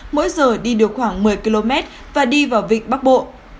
mỗi giờ đi được khoảng một mươi km và đi vào vịnh bắc bộ